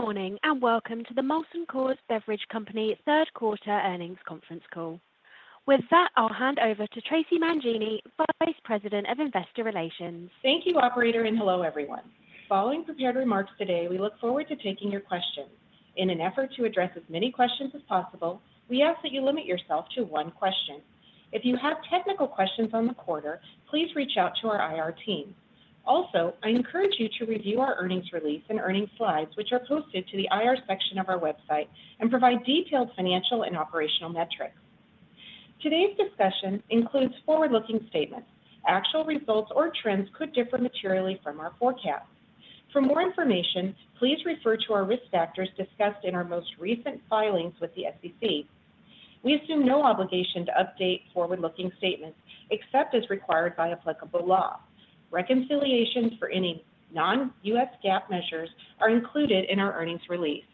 Good morning and welcome to the Molson Coors Beverage Company's third quarter earnings conference call. With that, I'll hand over to Traci Mangini, Vice President of Investor Relations. Thank you, Operator, and hello everyone. Following prepared remarks today, we look forward to taking your questions. In an effort to address as many questions as possible, we ask that you limit yourself to one question. If you have technical questions on the quarter, please reach out to our IR team. Also, I encourage you to review our earnings release and earnings slides, which are posted to the IR section of our website, and provide detailed financial and operational metrics. Today's discussion includes forward-looking statements. Actual results or trends could differ materially from our forecast. For more information, please refer to our risk factors discussed in our most recent filings with the SEC. We assume no obligation to update forward-looking statements except as required by applicable law. Reconciliations for any non-GAAP measures are included in our earnings release.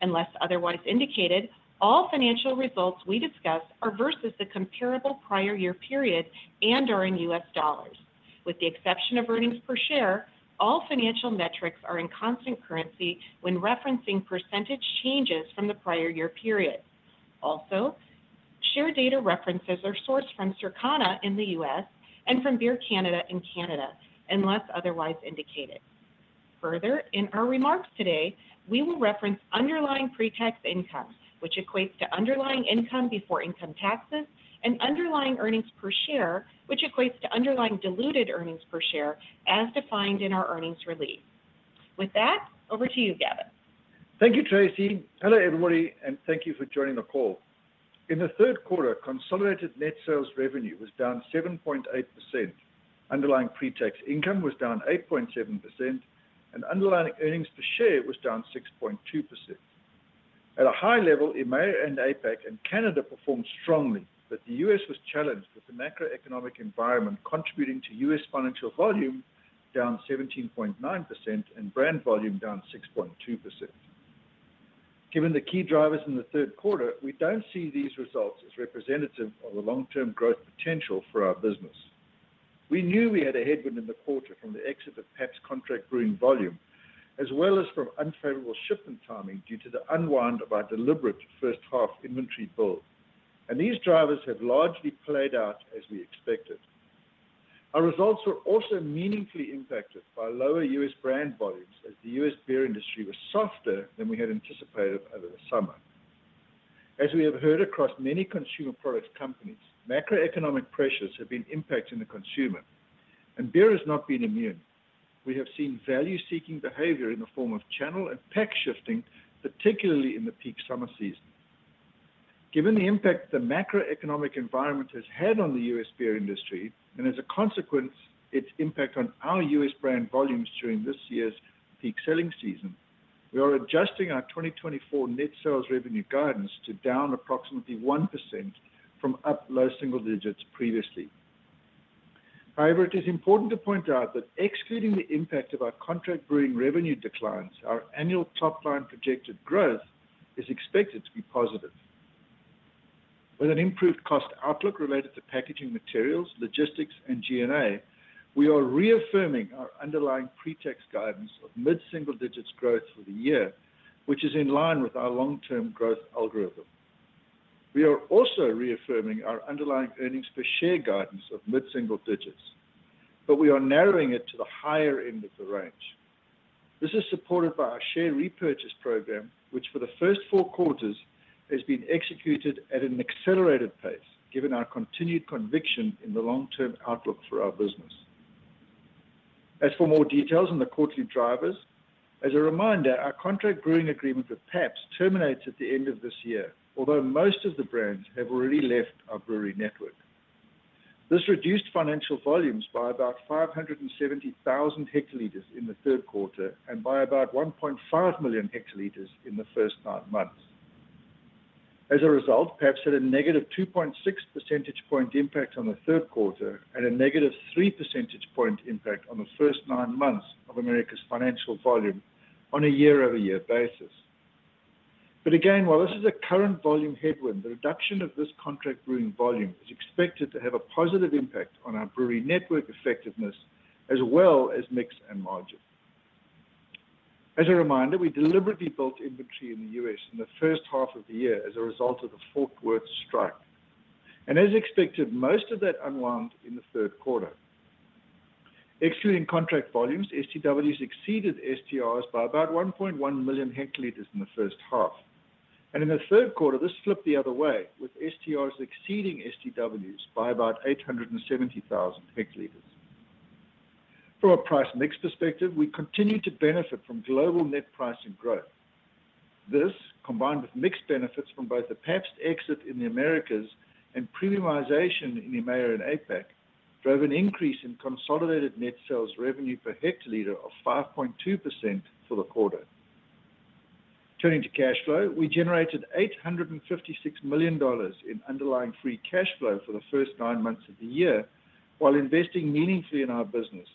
Unless otherwise indicated, all financial results we discuss are versus the comparable prior year period and are in U.S. dollars. With the exception of earnings per share, all financial metrics are in constant currency when referencing percentage changes from the prior year period. Also, share data references are sourced from Circana in the U.S. and from Beer Canada in Canada, unless otherwise indicated. Further, in our remarks today, we will reference underlying pretax income, which equates to underlying income before income taxes, and underlying earnings per share, which equates to underlying diluted earnings per share as defined in our earnings release. With that, over to you, Gavin. Thank you, Traci. Hello, everybody, and thank you for joining the call. In the third quarter, consolidated net sales revenue was down 7.8%, underlying pretax income was down 8.7%, and underlying earnings per share was down 6.2%. At a high level, EMEA and APAC and Canada performed strongly, but the U.S. was challenged with the macroeconomic environment contributing to U.S. shipment volume down 17.9% and brand volume down 6.2%. Given the key drivers in the third quarter, we don't see these results as representative of the long-term growth potential for our business. We knew we had a headwind in the quarter from the exit of Pabst's contract brewing volume, as well as from unfavorable shipment timing due to the unwind of our deliberate first half inventory build, and these drivers have largely played out as we expected. Our results were also meaningfully impacted by lower U.S. brand volumes as the U.S. beer industry was softer than we had anticipated over the summer. As we have heard across many consumer products companies, macroeconomic pressures have been impacting the consumer, and beer has not been immune. We have seen value-seeking behavior in the form of channel and pack shifting, particularly in the peak summer season. Given the impact the macroeconomic environment has had on the U.S. beer industry, and as a consequence, its impact on our U.S. brand volumes during this year's peak selling season, we are adjusting our 2024 net sales revenue guidance to down approximately 1% from up low single digits previously. However, it is important to point out that excluding the impact of our contract brewing revenue declines, our annual top line projected growth is expected to be positive. With an improved cost outlook related to packaging materials, logistics, and G&A, we are reaffirming our underlying pretax guidance of mid-single digits growth for the year, which is in line with our long-term growth algorithm. We are also reaffirming our underlying earnings per share guidance of mid-single digits, but we are narrowing it to the higher end of the range. This is supported by our share repurchase program, which for the first four quarters has been executed at an accelerated pace, given our continued conviction in the long-term outlook for our business. As for more details on the quarterly drivers, as a reminder, our contract brewing agreement with Pabst terminates at the end of this year, although most of the brands have already left our brewery network. This reduced financial volumes by about 570,000 hL in the third quarter and by about 1.5 million hL in the first nine months. As a result, Pabst had a -2.6 percentage point impact on the third quarter and a -3 percentage point impact on the first nine months of Americas financial volume on a year-over-year basis. But again, while this is a current volume headwind, the reduction of this contract brewing volume is expected to have a positive impact on our brewery network effectiveness as well as mix and margin. As a reminder, we deliberately built inventory in the U.S. in the first half of the year as a result of the Fort Worth strike, and as expected, most of that unwound in the third quarter. Excluding contract volumes, STWs exceeded STRs by about 1.1 million hL in the first half, and in the third quarter, this flipped the other way with STRs exceeding STWs by about 870,000 hL. From a price mix perspective, we continue to benefit from global net pricing growth. This, combined with mix benefits from both the Pabst exit in the Americas and premiumization in EMEA and APAC, drove an increase in consolidated net sales revenue per hectoliter of 5.2% for the quarter. Turning to cash flow, we generated $856 million in underlying free cash flow for the first nine months of the year while investing meaningfully in our business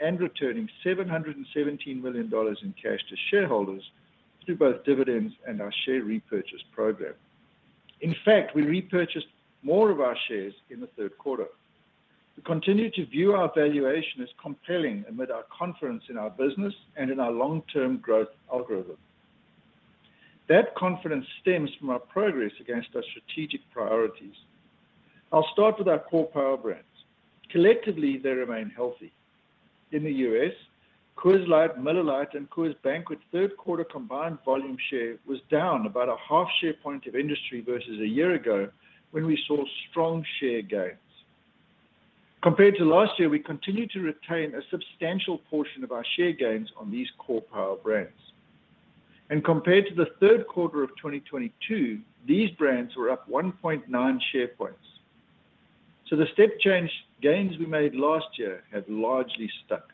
and returning $717 million in cash to shareholders through both dividends and our share repurchase program. In fact, we repurchased more of our shares in the third quarter. We continue to view our valuation as compelling amid our confidence in our business and in our long-term growth algorithm. That confidence stems from our progress against our strategic priorities. I'll start with our core power brands. Collectively, they remain healthy. In the U.S., Coors Light, Miller Lite, and Coors Banquet's third quarter combined volume share was down about a half share point of industry versus a year ago when we saw strong share gains. Compared to last year, we continue to retain a substantial portion of our share gains on these core power brands. And compared to the third quarter of 2022, these brands were up 1.9 share points. So the step change gains we made last year have largely stuck.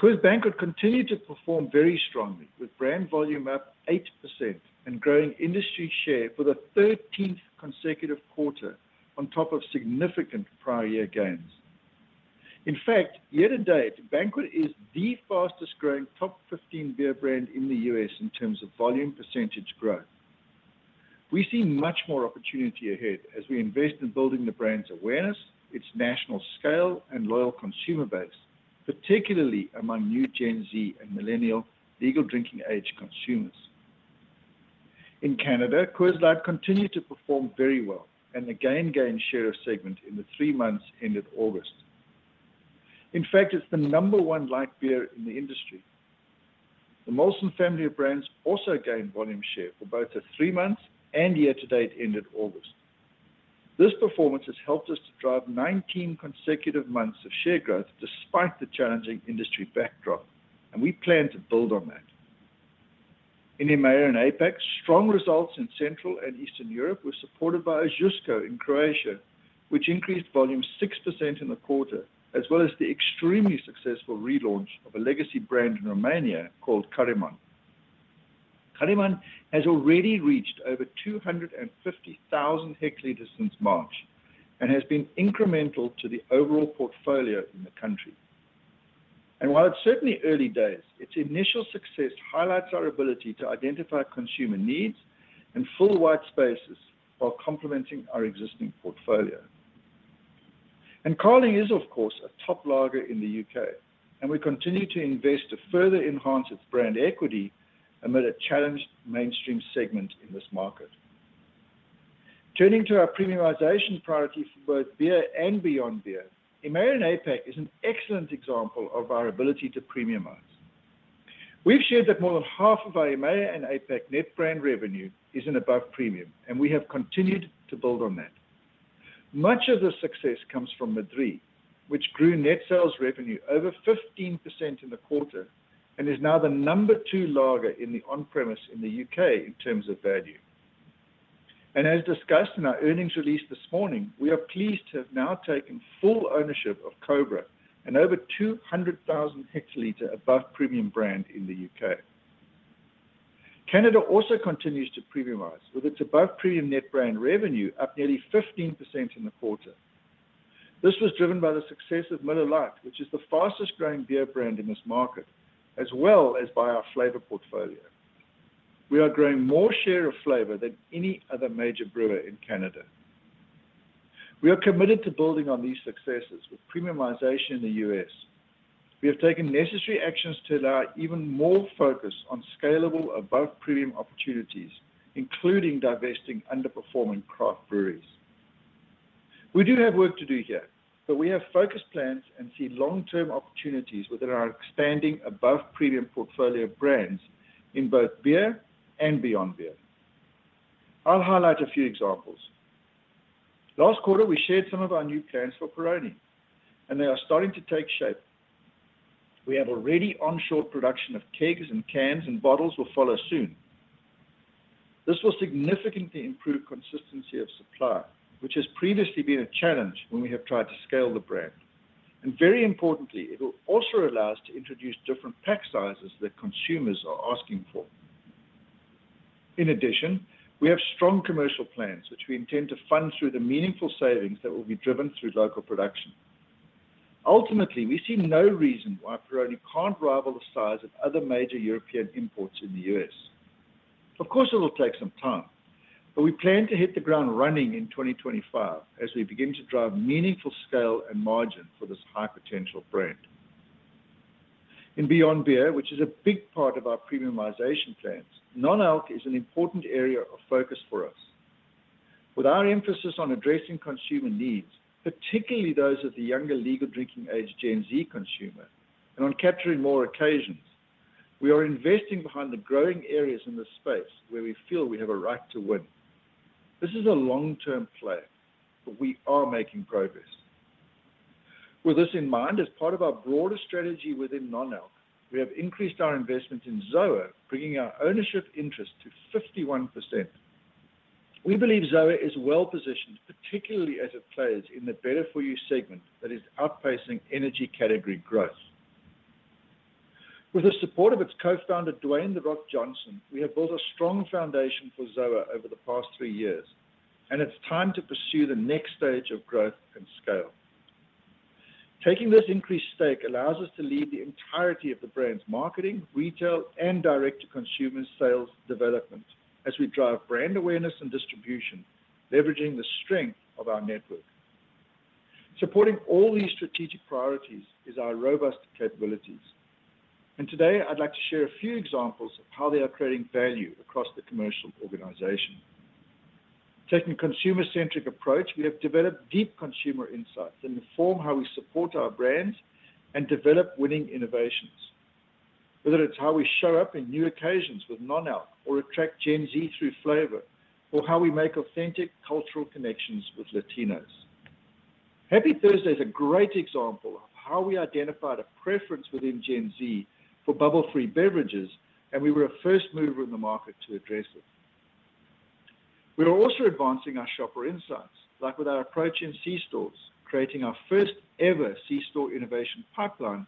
Coors Banquet continued to perform very strongly, with brand volume up 8% and growing industry share for the 13th consecutive quarter on top of significant prior year gains. In fact, year-to-date, Banquet is the fastest growing top 15 beer brand in the U.S. in terms of volume percentage growth. We see much more opportunity ahead as we invest in building the brand's awareness, its national scale, and loyal consumer base, particularly among new Gen Z and millennial legal drinking age consumers. In Canada, Coors Light continued to perform very well and again gained share of segment in the three months ended August. In fact, it's the number one light beer in the industry. The Molson family of brands also gained volume share for both the three months and year-to-date ended August. This performance has helped us to drive 19 consecutive months of share growth despite the challenging industry backdrop, and we plan to build on that. In EMEA and APAC, strong results in Central and Eastern Europe were supported by Ožujsko in Croatia, which increased volume 6% in the quarter, as well as the extremely successful relaunch of a legacy brand in Romania called Caraiman. Caraiman has already reached over 250,000 hL since March and has been incremental to the overall portfolio in the country, and while it's certainly early days, its initial success highlights our ability to identify consumer needs and fill white spaces while complementing our existing portfolio, and Carling is, of course, a top lager in the U.K., and we continue to invest to further enhance its brand equity amid a challenged mainstream segment in this market. Turning to our premiumization priority for both beer and beyond beer, EMEA and APAC is an excellent example of our ability to premiumize. We've shared that more than 1/2 of our EMEA and APAC net brand revenue is in above premium, and we have continued to build on that. Much of the success comes from Madrí, which grew net sales revenue over 15% in the quarter and is now the number two lager in the on-premise in the U.K. in terms of value, and as discussed in our earnings release this morning, we are pleased to have now taken full ownership of Cobra, an over 200,000 hL above premium brand in the U.K. Canada also continues to premiumize with its above premium net brand revenue up nearly 15% in the quarter. This was driven by the success of Miller Lite, which is the fastest growing beer brand in this market, as well as by our flavor portfolio. We are growing more share of flavor than any other major brewer in Canada. We are committed to building on these successes with premiumization in the U.S. We have taken necessary actions to allow even more focus on scalable above premium opportunities, including divesting underperforming craft breweries. We do have work to do here, but we have focused plans and see long-term opportunities within our expanding above premium portfolio brands in both beer and beyond beer. I'll highlight a few examples. Last quarter, we shared some of our new plans for Peroni, and they are starting to take shape. We have already onshore production of kegs and cans, and bottles will follow soon. This will significantly improve consistency of supply, which has previously been a challenge when we have tried to scale the brand, and very importantly, it will also allow us to introduce different pack sizes that consumers are asking for. In addition, we have strong commercial plans, which we intend to fund through the meaningful savings that will be driven through local production. Ultimately, we see no reason why Peroni can't rival the size of other major European imports in the U.S. Of course, it will take some time, but we plan to hit the ground running in 2025 as we begin to drive meaningful scale and margin for this high potential brand. In beyond beer, which is a big part of our premiumization plans, non-alc is an important area of focus for us. With our emphasis on addressing consumer needs, particularly those of the younger legal drinking age Gen Z consumer, and on capturing more occasions, we are investing behind the growing areas in the space where we feel we have a right to win. This is a long-term play, but we are making progress. With this in mind, as part of our broader strategy within non-alc, we have increased our investment in ZOA, bringing our ownership interest to 51%. We believe ZOA is well positioned, particularly as it plays in the better-for-you segment that is outpacing energy category growth. With the support of its co-founder, Dwayne "The Rock" Johnson, we have built a strong foundation for ZOA over the past three years, and it's time to pursue the next stage of growth and scale. Taking this increased stake allows us to lead the entirety of the brand's marketing, retail, and direct-to-consumer sales development as we drive brand awareness and distribution, leveraging the strength of our network. Supporting all these strategic priorities is our robust capabilities. And today, I'd like to share a few examples of how they are creating value across the commercial organization. Taking a consumer-centric approach, we have developed deep consumer insights that inform how we support our brands and develop winning innovations. Whether it's how we show up in new occasions with non-alc or attract Gen Z through flavor, or how we make authentic cultural connections with Latinos, Happy Thursday is a great example of how we identified a preference within Gen Z for bubble-free beverages, and we were a first mover in the market to address it. We are also advancing our shopper insights, like with our approach in C-stores, creating our first-ever C-store innovation pipeline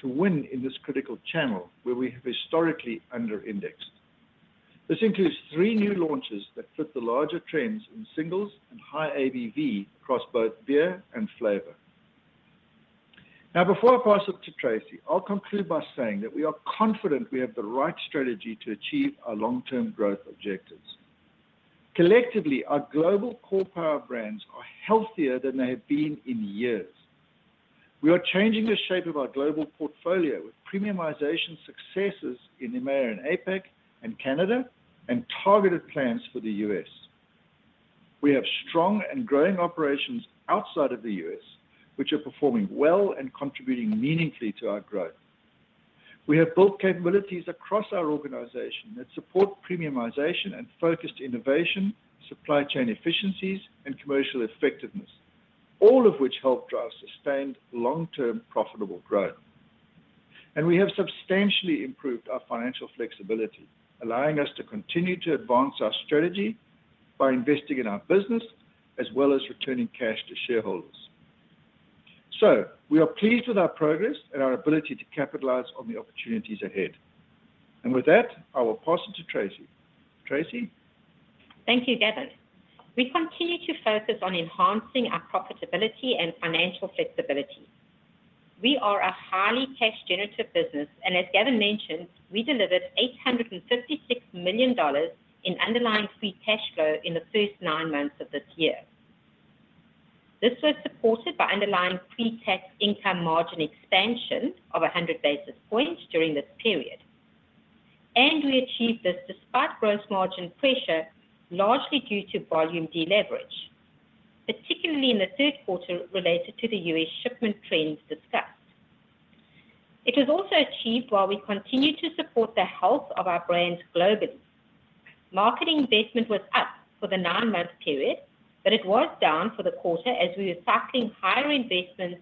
to win in this critical channel where we have historically under-indexed. This includes three new launches that fit the larger trends in singles and high ABV across both beer and flavor. Now, before I pass it to Traci, I'll conclude by saying that we are confident we have the right strategy to achieve our long-term growth objectives. Collectively, our global core power brands are healthier than they have been in years. We are changing the shape of our global portfolio with premiumization successes in EMEA and APAC and Canada and targeted plans for the U.S. We have strong and growing operations outside of the U.S., which are performing well and contributing meaningfully to our growth. We have built capabilities across our organization that support premiumization and focused innovation, supply chain efficiencies, and commercial effectiveness, all of which help drive sustained long-term profitable growth. And we have substantially improved our financial flexibility, allowing us to continue to advance our strategy by investing in our business as well as returning cash to shareholders. So we are pleased with our progress and our ability to capitalize on the opportunities ahead. And with that, I will pass it to Traci. Traci. Thank you, Gavin. We continue to focus on enhancing our profitability and financial flexibility. We are a highly cash-generative business, and as Gavin mentioned, we delivered $856 million in underlying free cash flow in the first nine months of this year. This was supported by underlying pretax income margin expansion of 100 basis points during this period, and we achieved this despite gross margin pressure, largely due to volume deleverage, particularly in the third quarter related to the U.S. shipment trends discussed. It was also achieved while we continued to support the health of our brands globally. Marketing investment was up for the nine-month period, but it was down for the quarter as we were cycling higher investments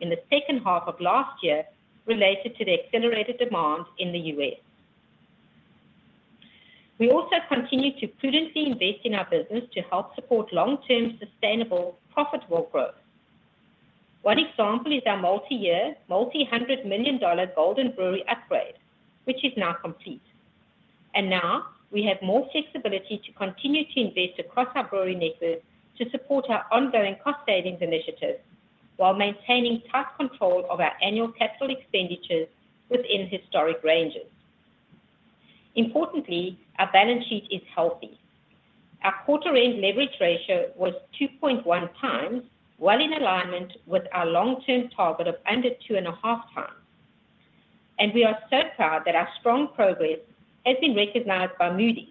in the second half of last year related to the accelerated demand in the U.S. We also continue to prudently invest in our business to help support long-term sustainable profitable growth. One example is our multi-year, multi-hundred-million-dollar Golden Brewery upgrade, which is now complete. And now we have more flexibility to continue to invest across our brewery network to support our ongoing cost savings initiatives while maintaining tight control of our annual capital expenditures within historic ranges. Importantly, our balance sheet is healthy. Our quarter-end leverage ratio was 2.1x, well in alignment with our long-term target of under 2.5x. And we are so proud that our strong progress has been recognized by Moody's,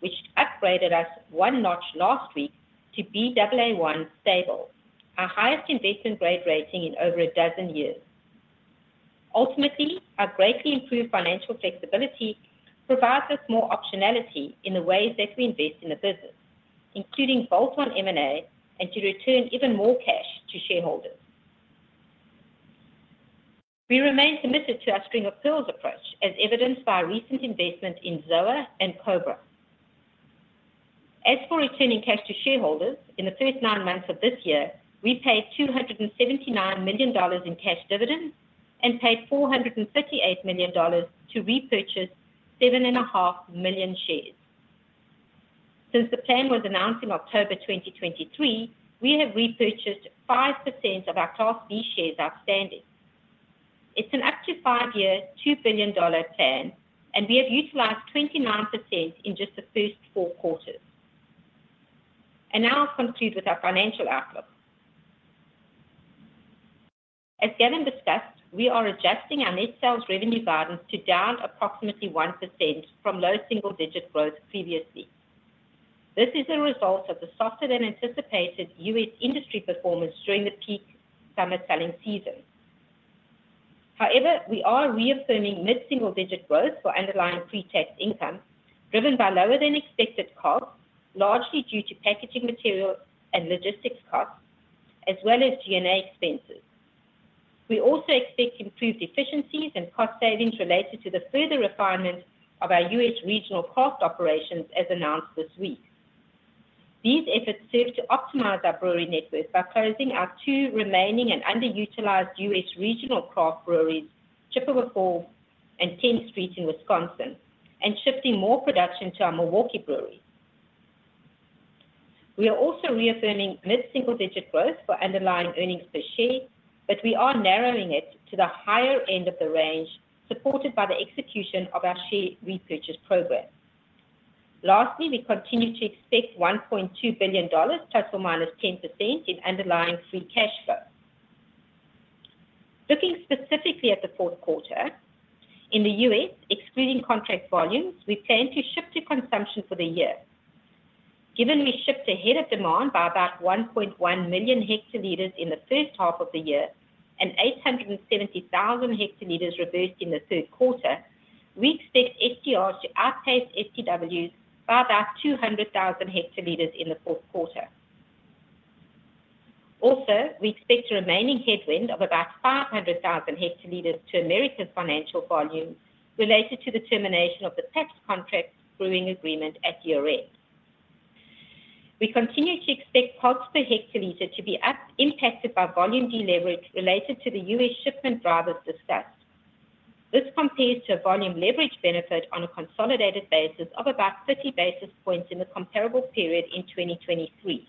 which upgraded us one notch last week to Baa1 Stable, our highest investment grade rating in over a dozen years. Ultimately, our greatly improved financial flexibility provides us more optionality in the ways that we invest in the business, including bolt-on M&A and to return even more cash to shareholders. We remain committed to our string of pearls approach, as evidenced by recent investment in ZOA and Cobra. As for returning cash to shareholders, in the first nine months of this year, we paid $279 million in cash dividends and paid $438 million to repurchase 7.5 million shares. Since the plan was announced in October 2023, we have repurchased 5% of our Class B shares outstanding. It's an up to five-year, $2 billion plan, and we have utilized 29% in just the first four quarters. And now I'll conclude with our financial outlook. As Gavin discussed, we are adjusting our net sales revenue guidance to down approximately 1% from low single-digit growth previously. This is a result of the softer than anticipated U.S. industry performance during the peak summer selling season. However, we are reaffirming mid-single-digit growth for underlying pre-tax income driven by lower than expected costs, largely due to packaging material and logistics costs, as well as G&A expenses. We also expect improved efficiencies and cost savings related to the further refinement of our U.S. regional craft operations as announced this week. These efforts serve to optimize our brewery network by closing our two remaining and underutilized U.S. regional craft breweries, Chippewa Falls and 10th Street in Wisconsin, and shifting more production to our Milwaukee breweries. We are also reaffirming mid-single-digit growth for underlying earnings per share, but we are narrowing it to the higher end of the range, supported by the execution of our share repurchase program. Lastly, we continue to expect $1.2 billion, ±10% in underlying free cash flow. Looking specifically at the fourth quarter, in the U.S., excluding contract volumes, we plan to shift to consumption for the year. Given we shipped ahead of demand by about 1.1 million hL in the first half of the year and 870,000 hL reversed in the third quarter, we expect STRs to outpace STWs by about 200,000 hL in the fourth quarter. Also, we expect a remaining headwind of about 500,000 hL to Americas shipment volume related to the termination of the Pabst contract brewing agreement at year-end. We continue to expect cost per hectoliter to be impacted by volume deleverage related to the U.S. shipment drivers discussed. This compares to a volume leverage benefit on a consolidated basis of about 30 basis points in the comparable period in 2023.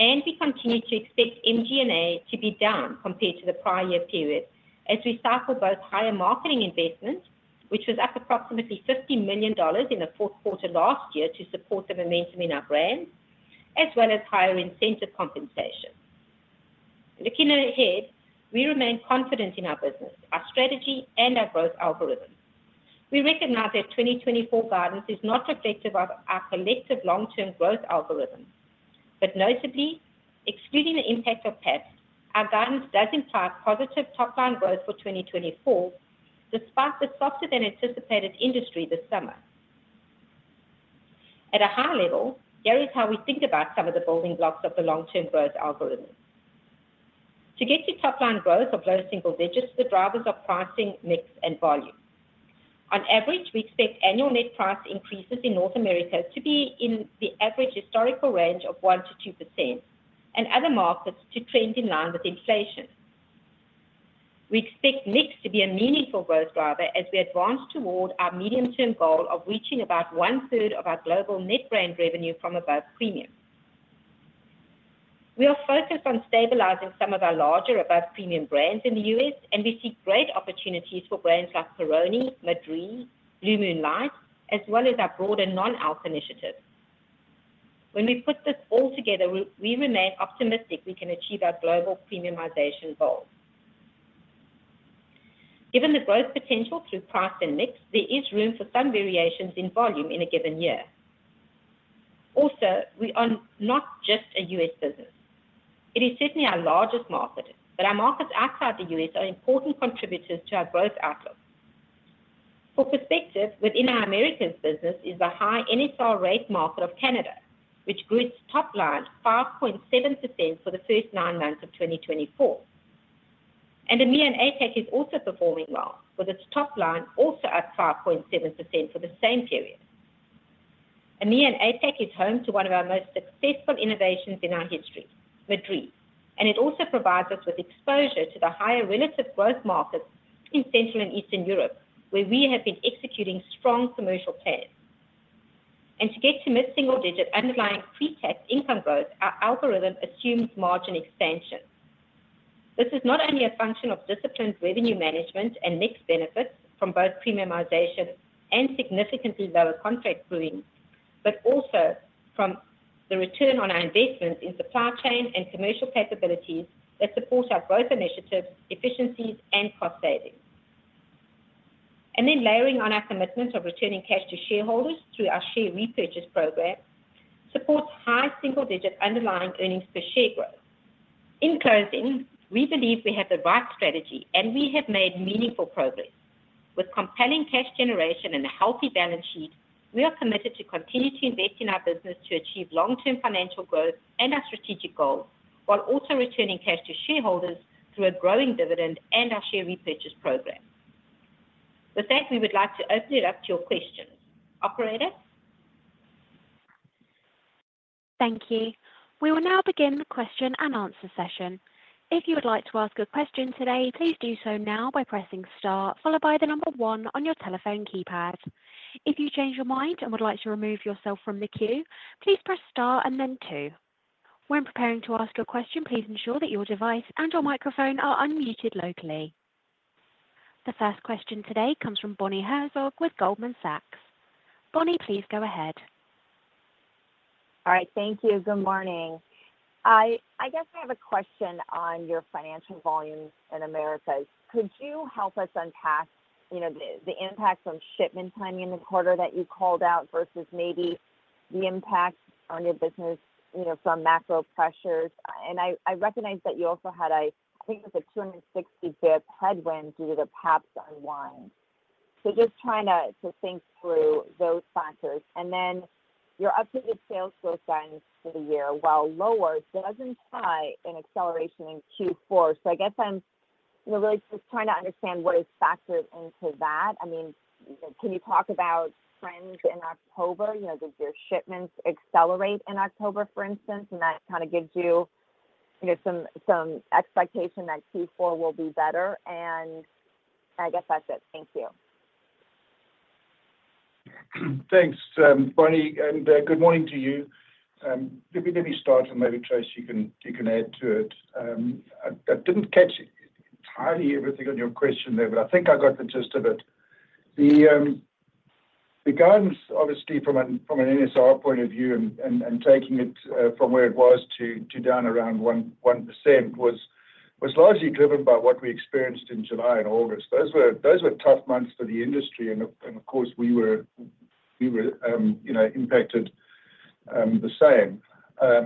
We continue to expect MG&A to be down compared to the prior year period as we cycle both higher marketing investments, which was up approximately $50 million in the fourth quarter last year to support the momentum in our brand, as well as higher incentive compensation. Looking ahead, we remain confident in our business, our strategy, and our growth algorithm. We recognize that 2024 guidance is not reflective of our collective long-term growth algorithm. Notably, excluding the impact of Pabst, our guidance does imply positive top-line growth for 2024, despite the softer than anticipated industry this summer. At a high level, here is how we think about some of the building blocks of the long-term growth algorithm. To get to top-line growth of low single digits, the drivers are pricing, mix, and volume. On average, we expect annual net price increases in North America to be in the average historical range of 1%-2%, and other markets to trend in line with inflation. We expect mix to be a meaningful growth driver as we advance toward our medium-term goal of reaching about one-third of our global net brand revenue from above premium. We are focused on stabilizing some of our larger above premium brands in the U.S., and we see great opportunities for brands like Peroni, Madrí, Blue Moon Light, as well as our broader non-alc initiatives. When we put this all together, we remain optimistic we can achieve our global premiumization goal. Given the growth potential through price and mix, there is room for some variations in volume in a given year. Also, we are not just a U.S. business. It is certainly our largest market, but our markets outside the U.S. are important contributors to our growth outlook. For perspective, within our Americas business is the high NSR rate market of Canada, which grew its top line 5.7% for the first nine months of 2024, and EMEA and APAC is also performing well, with its top line also up 5.7% for the same period. EMEA and APAC is home to one of our most successful innovations in our history, Madrí, and it also provides us with exposure to the higher relative growth markets in Central and Eastern Europe, where we have been executing strong commercial plans, and to get to mid-single-digit underlying pre-tax income growth, our algorithm assumes margin expansion. This is not only a function of disciplined revenue management and mixed benefits from both premiumization and significantly lower contract brewing, but also from the return on our investments in supply chain and commercial capabilities that support our growth initiatives, efficiencies, and cost savings. And then layering on our commitment of returning cash to shareholders through our share repurchase program supports high single-digit underlying earnings per share growth. In closing, we believe we have the right strategy, and we have made meaningful progress. With compelling cash generation and a healthy balance sheet, we are committed to continue to invest in our business to achieve long-term financial growth and our strategic goals, while also returning cash to shareholders through a growing dividend and our share repurchase program. With that, we would like to open it up to your questions. Operator? Thank you. We will now begin the question and answer session. If you would like to ask a question today, please do so now by pressing star, followed by the number one on your telephone keypad. If you change your mind and would like to remove yourself from the queue, please press star and then two. When preparing to ask your question, please ensure that your device and your microphone are unmuted locally. The first question today comes from Bonnie Herzog with Goldman Sachs. Bonnie, please go ahead. All right. Thank you. Good morning. I guess I have a question on your shipment volume in Americas. Could you help us unpack the impact from shipment timing in the quarter that you called out versus maybe the impact on your business from macro pressures? And I recognize that you also had a, I think it was a 260-day headwind due to the Pabst's unwind. So just trying to think through those factors. And then your updated sales growth guidance for the year, while lower, doesn't tie in acceleration in Q4. So I guess I'm really just trying to understand what is factored into that. I mean, can you talk about trends in October? Did your shipments accelerate in October, for instance? And that kind of gives you some expectation that Q4 will be better. And I guess that's it. Thank you. Thanks, Bonnie. And good morning to you. Let me start, and maybe, Traci, you can add to it. I didn't catch entirely everything on your question there, but I think I got the gist of it. The guidance, obviously, from an NSR point of view and taking it from where it was to down around 1% was largely driven by what we experienced in July and August. Those were tough months for the industry, and of course, we were impacted the same.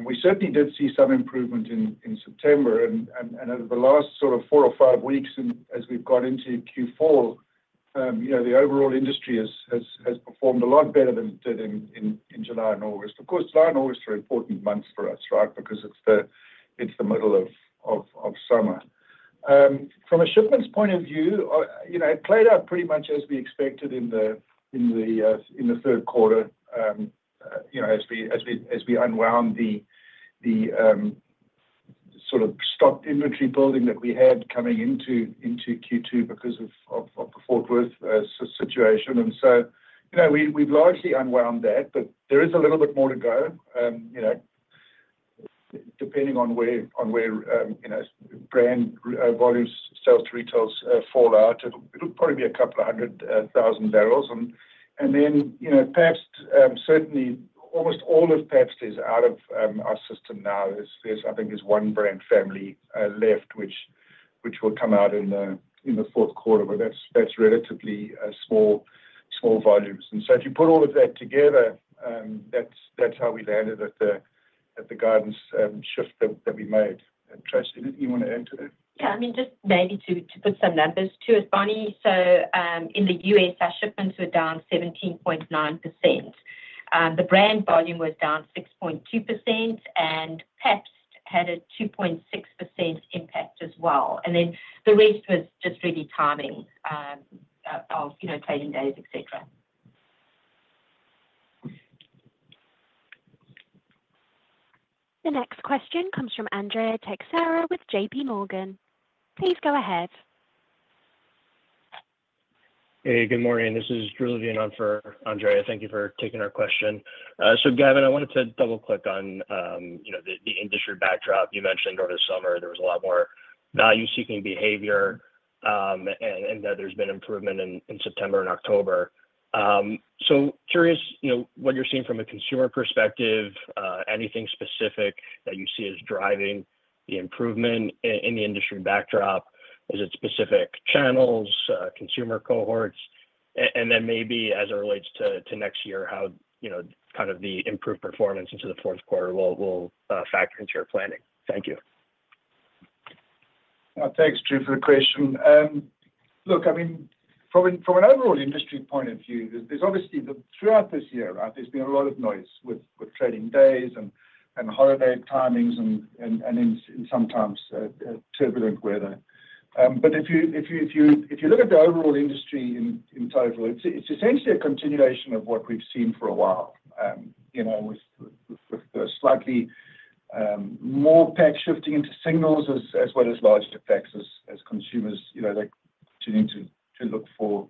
We certainly did see some improvement in September, and over the last sort of four or five weeks, as we've got into Q4, the overall industry has performed a lot better than it did in July and August. Of course, July and August are important months for us, right, because it's the middle of summer. From a shipments point of view, it played out pretty much as we expected in the third quarter as we unwound the sort of stock inventory building that we had coming into Q2 because of the Fort Worth situation, and so we've largely unwound that, but there is a little bit more to go. Depending on where brand volumes, sales to retailers fall out, it'll probably be a couple of hundred thousand barrels. And then perhaps certainly almost all of Pabst's is out of our system now. I think there's one brand family left, which will come out in the fourth quarter, but that's relatively small volumes. And so if you put all of that together, that's how we landed at the guidance shift that we made. Traci, did you want to add to that? Yeah. I mean, just maybe to put some numbers to it, Bonnie. So in the U.S., our shipments were down 17.9%. The brand volume was down 6.2%, and Pabst's had a 2.6% impact as well. And then the rest was just really timing of trading days, etc. The next question comes from Andrea Teixeira with J.P. Morgan. Please go ahead. Hey, good morning. This is Drew Levine on for Andrea. Thank you for taking our question. So Gavin, I wanted to double-click on the industry backdrop. You mentioned over the summer, there was a lot more value-seeking behavior, and that there's been improvement in September and October. So curious what you're seeing from a consumer perspective. Anything specific that you see as driving the improvement in the industry backdrop? Is it specific channels, consumer cohorts? And then maybe as it relates to next year, how kind of the improved performance into the fourth quarter will factor into your planning? Thank you. Thanks, Drew, for the question. Look, I mean, from an overall industry point of view, there's obviously throughout this year, right, there's been a lot of noise with trading days and holiday timings and sometimes turbulent weather. But if you look at the overall industry in total, it's essentially a continuation of what we've seen for a while, with slightly more packs shifting into singles as well as larger packs as consumers continue to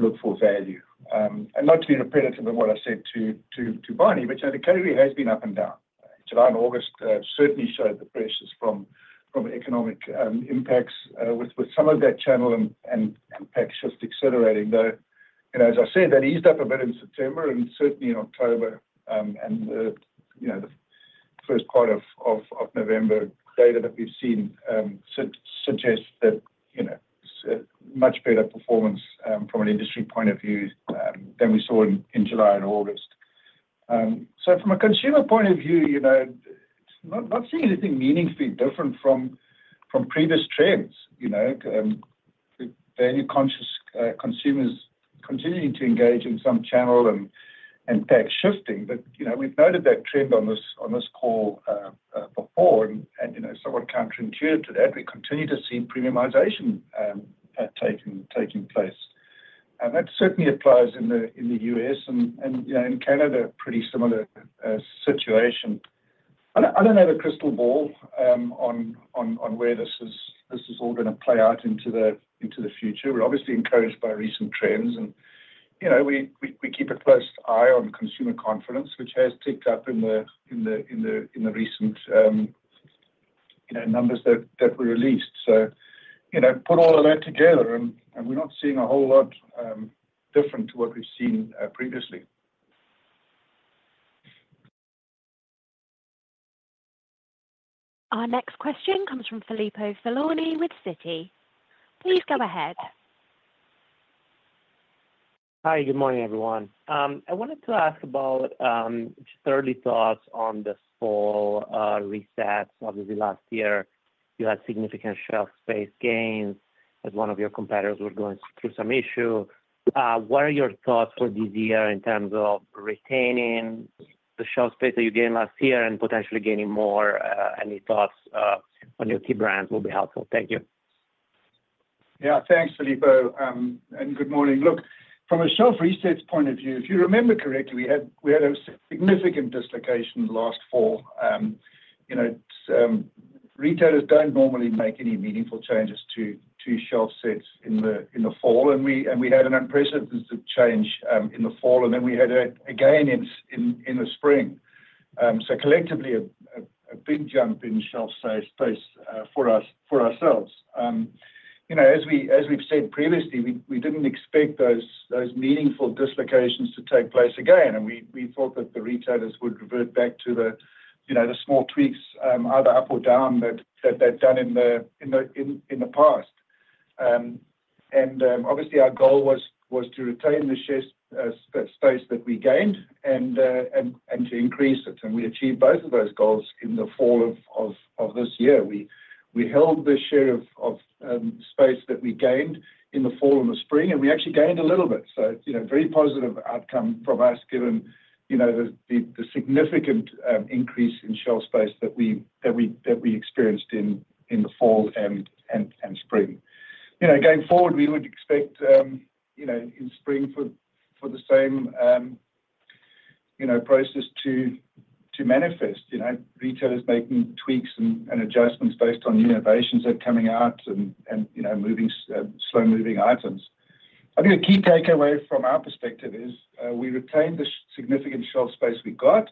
look for value. And not to be repetitive of what I said to Bonnie, but the category has been up and down. July and August certainly showed the pressures from economic impacts with some of that channel and packs shift accelerating, though, as I said, that eased up a bit in September and certainly in October. And the first part of November data that we've seen suggests that much better performance from an industry point of view than we saw in July and August. So from a consumer point of view, not seeing anything meaningfully different from previous trends. Value-conscious consumers continuing to engage in some channel and packs shifting. But we've noted that trend on this call before, and somewhat counterintuitive to that, we continue to see premiumization taking place. And that certainly applies in the U.S. and in Canada, pretty similar situation. I don't have a crystal ball on where this is all going to play out into the future. We're obviously encouraged by recent trends, and we keep a close eye on consumer confidence, which has ticked up in the recent numbers that were released. So put all of that together, and we're not seeing a whole lot different to what we've seen previously. Our next question comes from Filippo Falorni with Citi. Please go ahead. Hi, good morning, everyone. I wanted to ask about just early thoughts on the fall resets. Obviously, last year, you had significant shelf space gains as one of your competitors was going through some issues. What are your thoughts for this year in terms of retaining the shelf space that you gained last year and potentially gaining more? Any thoughts on your key brands will be helpful. Thank you. Yeah, thanks, Filippo. And good morning. Look, from a shelf resets point of view, if you remember correctly, we had a significant dislocation last fall. Retailers don't normally make any meaningful changes to shelf sets in the fall, and we had an unprecedented change in the fall, and then we had it again in the spring. So collectively, a big jump in shelf space for ourselves. As we've said previously, we didn't expect those meaningful dislocations to take place again, and we thought that the retailers would revert back to the small tweaks, either up or down, that they've done in the past. And obviously, our goal was to retain the space that we gained and to increase it. And we achieved both of those goals in the fall of this year. We held the share of space that we gained in the fall and the spring, and we actually gained a little bit. So very positive outcome from us given the significant increase in shelf space that we experienced in the fall and spring. Going forward, we would expect in spring for the same process to manifest. Retailers making tweaks and adjustments based on new innovations that are coming out and slow-moving items. I think a key takeaway from our perspective is we retained the significant shelf space we got,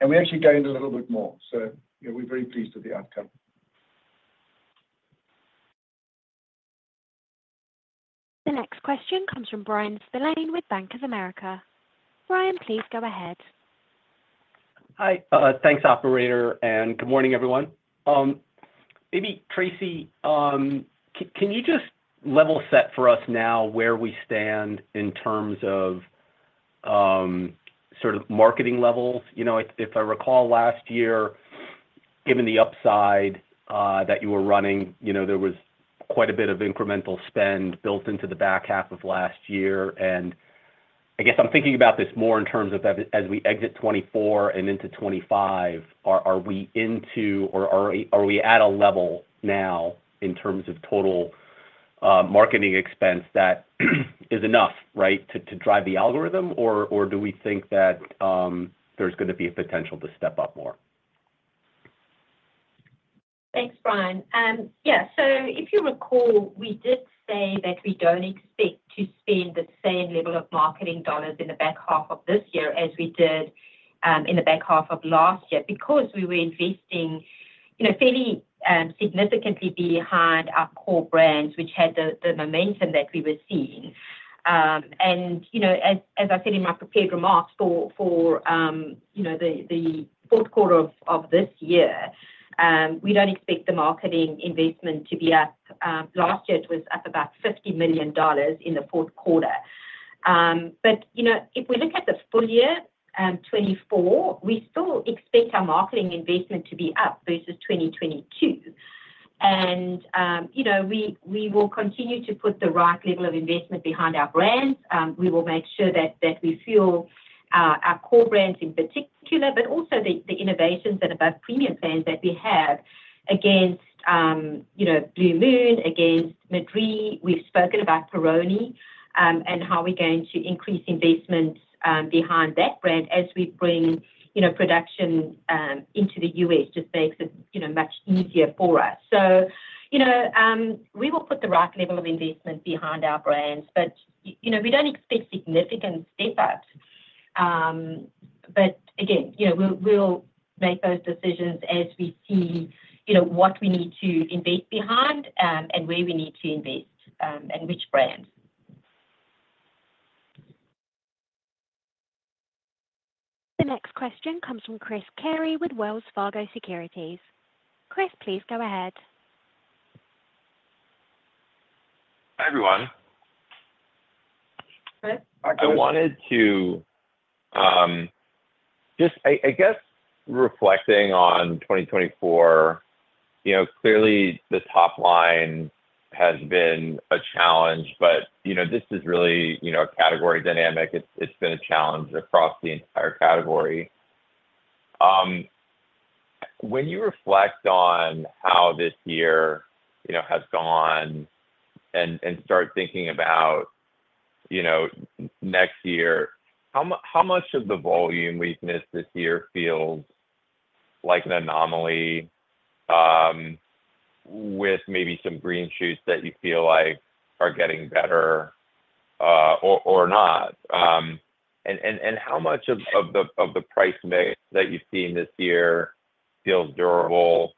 and we actually gained a little bit more. So we're very pleased with the outcome. The next question comes from Bryan Spillane with Bank of America. Bryan, please go ahead. Hi. Thanks, Operator. And good morning, everyone. Maybe, Traci, can you just level set for us now where we stand in terms of sort of marketing levels? If I recall last year, given the upside that you were running, there was quite a bit of incremental spend built into the back half of last year. And I guess I'm thinking about this more in terms of as we exit 2024 and into 2025, are we into or are we at a level now in terms of total marketing expense that is enough, right, to drive the algorithm? Or do we think that there's going to be a potential to step up more? Thanks, Bryan. Yeah. If you recall, we did say that we don't expect to spend the same level of marketing dollars in the back half of this year as we did in the back half of last year because we were investing fairly significantly behind our core brands, which had the momentum that we were seeing. And as I said in my prepared remarks for the fourth quarter of this year, we don't expect the marketing investment to be up. Last year, it was up about $50 million in the fourth quarter. But if we look at the full year 2024, we still expect our marketing investment to be up versus 2022. And we will continue to put the right level of investment behind our brands. We will make sure that we fuel our core brands in particular, but also the innovations and above premium brands that we have against Blue Moon, against Madrí. We've spoken about Peroni and how we're going to increase investments behind that brand as we bring production into the U.S. just makes it much easier for us. So we will put the right level of investment behind our brands, but we don't expect significant step-ups. But again, we'll make those decisions as we see what we need to invest behind and where we need to invest and which brands. The next question comes from Chris Carey with Wells Fargo Securities. Chris, please go ahead. Hi, everyone. I wanted to just, I guess, reflecting on 2024, clearly the top line has been a challenge, but this is really a category dynamic. It's been a challenge across the entire category. When you reflect on how this year has gone and start thinking about next year, how much of the volume we've missed this year feels like an anomaly with maybe some green shoots that you feel like are getting better or not? And how much of the price mix that you've seen this year feels durable?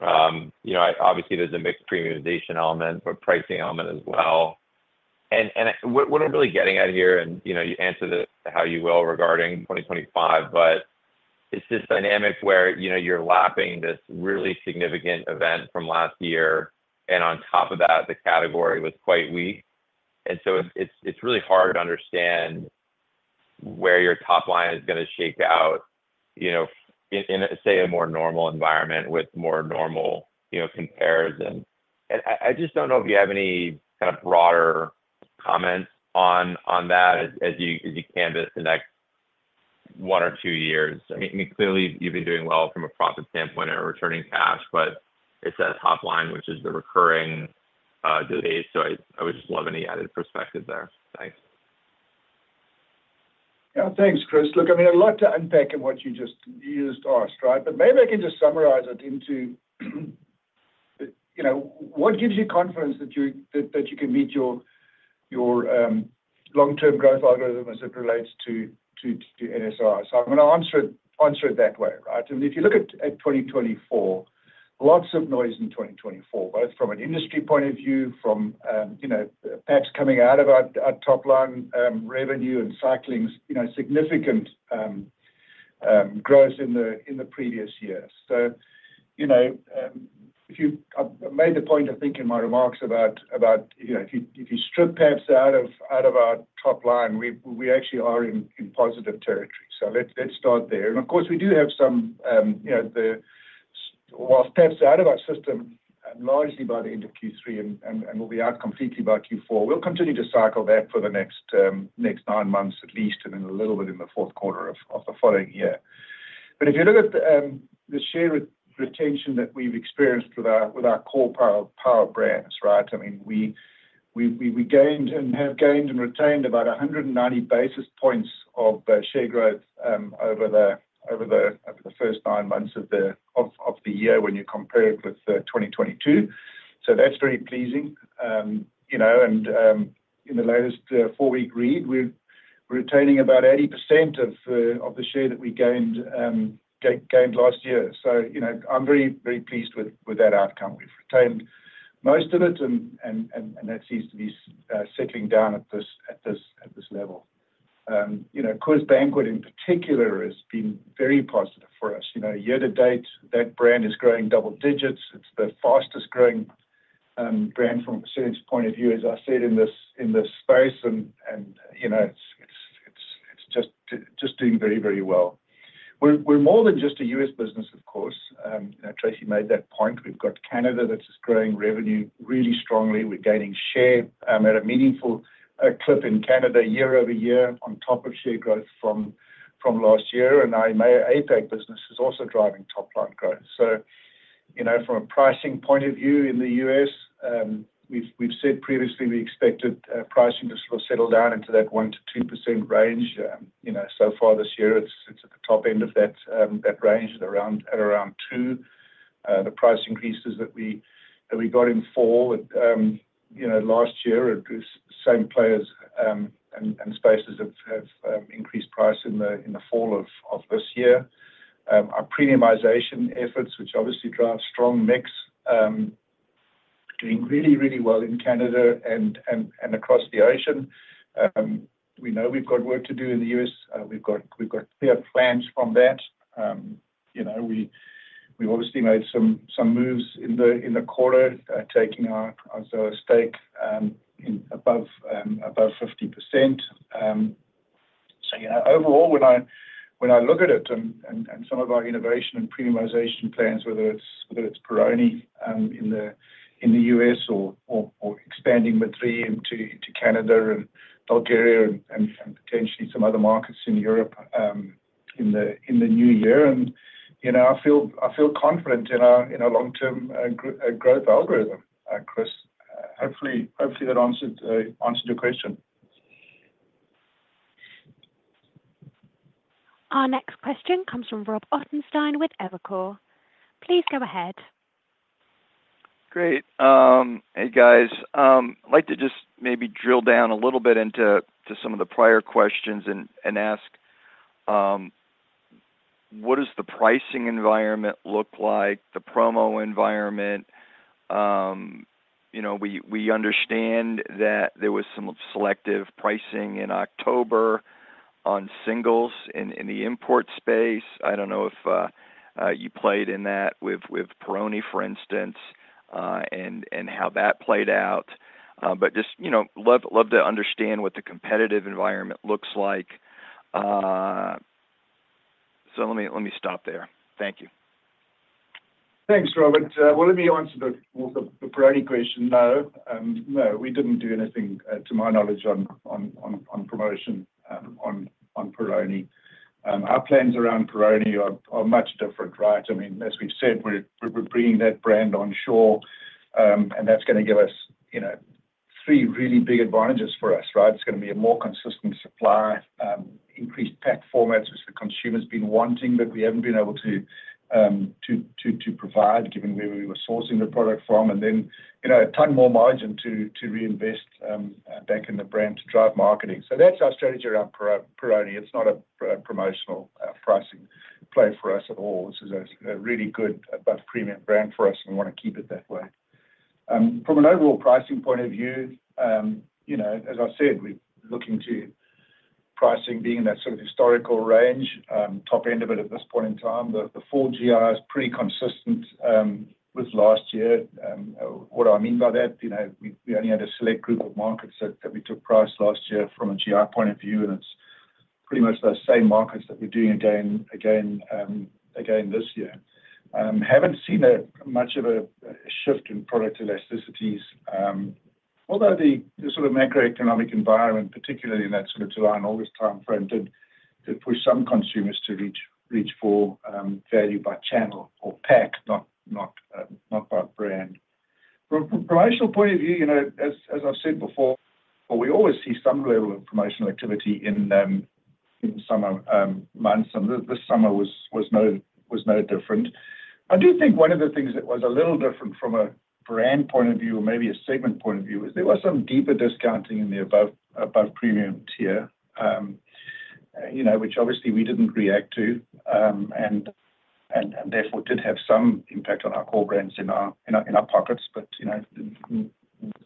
Obviously, there's a mixed premiumization element, but pricing element as well. And what I'm really getting at here, and you answered it how you will regarding 2025, but it's this dynamic where you're lapping this really significant event from last year, and on top of that, the category was quite weak. And so it's really hard to understand where your top line is going to shake out in, say, a more normal environment with more normal comparisons. And I just don't know if you have any kind of broader comments on that as you canvass the next one or two years. I mean, clearly, you've been doing well from a profit standpoint and a returning cash, but it's that top line, which is the recurring delays. So I would just love any added perspective there. Thanks. Yeah. Thanks, Chris. Look, I mean, I'd love to unpack what you just threw at us, right? But maybe I can just summarize it into what gives you confidence that you can meet your long-term growth algorithm as it relates to NSR? So I'm going to answer it that way, right? I mean, if you look at 2024, lots of noise in 2024, both from an industry point of view, from Pabst coming out of our top-line revenue and cycling significant growth in the previous years. So I made the point, I think, in my remarks about if you strip Pabst out of our top line, we actually are in positive territory. So let's start there. And of course, we do have some while Pabst is out of our system largely by the end of Q3 and will be out completely by Q4, we'll continue to cycle that for the next nine months at least and then a little bit in the fourth quarter of the following year. But if you look at the share retention that we've experienced with our core power brands, right, I mean, we gained and have gained and retained about 190 basis points of share growth over the first nine months of the year when you compare it with 2022. So that's very pleasing. And in the latest four-week read, we're retaining about 80% of the share that we gained last year. So I'm very, very pleased with that outcome. We've retained most of it, and that seems to be settling down at this level. Coors Banquet, in particular, has been very positive for us. Year-to-date, that brand is growing double digits. It's the fastest-growing brand from a sales point of view, as I said, in this space, and it's just doing very, very well. We're more than just a U.S. business, of course. Traci made that point. We've got Canada that's growing revenue really strongly. We're gaining share at a meaningful clip in Canada year-over-year on top of share growth from last year. And our APAC business is also driving top-line growth. So from a pricing point of view in the U.S., we've said previously we expected pricing to sort of settle down into that 1%-2% range. So far this year, it's at the top end of that range at around 2%. The price increases that we got in fall last year. Same players and spaces have increased price in the fall of this year. Our premiumization efforts, which obviously drive strong mix, are doing really, really well in Canada and across the ocean. We know we've got work to do in the U.S. We've got clear plans from that. We obviously made some moves in the quarter, taking our stake above 50%. So overall, when I look at it and some of our innovation and premiumization plans, whether it's Peroni in the U.S. or expanding Madrí into Canada and Bulgaria and potentially some other markets in Europe in the new year, and I feel confident in our long-term growth algorithm, Chris. Hopefully, that answered your question. Our next question comes from Rob Ottenstein with Evercore. Please go ahead. Great. Hey, guys. I'd like to just maybe drill down a little bit into some of the prior questions and ask, what does the pricing environment look like, the promo environment? We understand that there was some selective pricing in October on singles in the import space. I don't know if you played in that with Peroni, for instance, and how that played out. But just love to understand what the competitive environment looks like. So let me stop there. Thank you. Thanks, Robert. Well, let me answer the Peroni question. No, we didn't do anything, to my knowledge, on promotion on Peroni. Our plans around Peroni are much different, right? I mean, as we've said, we're bringing that brand onshore, and that's going to give us three really big advantages for us, right? It's going to be a more consistent supply, increased pack formats, which the consumer has been wanting, but we haven't been able to provide given where we were sourcing the product from, and then a ton more margin to reinvest back in the brand to drive marketing. So that's our strategy around Peroni. It's not a promotional pricing play for us at all. This is a really good, above premium brand for us, and we want to keep it that way. From an overall pricing point of view, as I said, we're looking to pricing being in that sort of historical range, top end of it at this point in time. The full GI is pretty consistent with last year. What I mean by that, we only had a select group of markets that we took price last year from a GI point of view, and it's pretty much those same markets that we're doing again this year. Haven't seen much of a shift in product elasticities, although the sort of macroeconomic environment, particularly in that sort of July and August time frame, did push some consumers to reach for value by channel or pack, not by brand. From a promotional point of view, as I've said before, we always see some level of promotional activity in summer months, and this summer was no different. I do think one of the things that was a little different from a brand point of view or maybe a segment point of view is there was some deeper discounting in the above premium tier, which obviously we didn't react to and therefore did have some impact on our core brands in our pockets. But